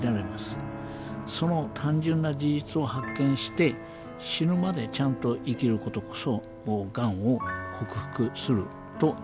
その単純な事実を発見して死ぬまでちゃんと生きることこそがんを克服するということではないでしょうか。